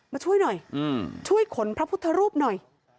มาช่วยหน่อยช่วยขนพระพุทธรูปหน่อย